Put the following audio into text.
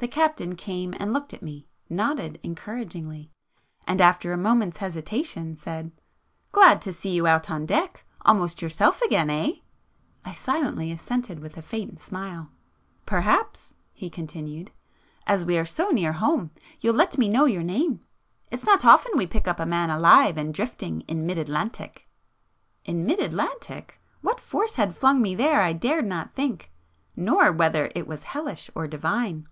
The captain came and looked at me,—nodded encouragingly,—and after a moment's hesitation, said— "Glad to see you out on deck! Almost yourself again, eh?" I silently assented with a faint smile. "Perhaps"—he continued, "as we're so near home, you'll let me know your name? It's not often we pick up a man alive and drifting in mid Atlantic." In mid Atlantic! What force had flung me there I dared not think, ... nor whether it was hellish or divine.